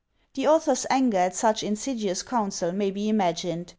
The .author's anger at such insidious counsel ma\* be imagined.